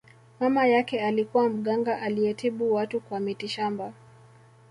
mama yake alikuwa mganga aliyetibu watu kwa mitishamba